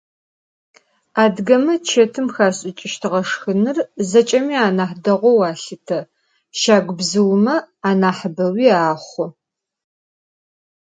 Adıgeme çetım xaş'ıç'ıre şşxınır zeç'emi anah değou alhıte, şagubzıume anahıbeu axhu.